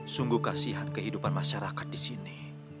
sungguh kasihan kehidupan masyarakat di sini